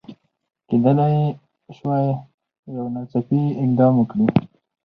کېدلای سوای یو ناڅاپي اقدام وکړي.